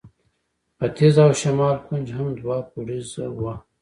ختیځ او شمال کونج هم دوه پوړیزه وه.